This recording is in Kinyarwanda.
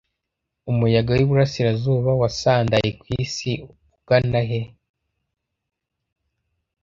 Umuyaga w’Iburasirazuba wasandaye ku isi ugana he?